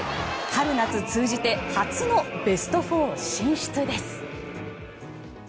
春夏通じて初のベスト４進出です。